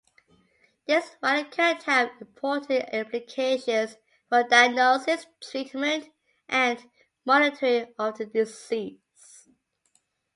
This finding could have important implications for diagnosis, treatment, and monitoring of the disease.